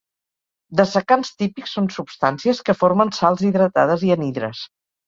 Dessecants típics són substàncies que formen sals hidratades i anhidres.